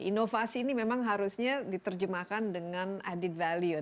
inovasi ini memang harusnya diterjemahkan dengan added value